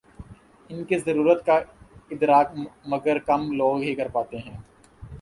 ان کی ضرورت کا ادراک مگر کم لوگ ہی کر پاتے ہیں۔